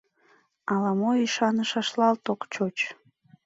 Ала-мо ӱшанышашлат ок чуч.